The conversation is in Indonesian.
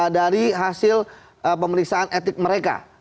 dari hasil pemeriksaan etik mereka